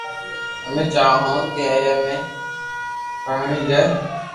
امي چاھو ھون ڪو ائ بي پڻڙي جائي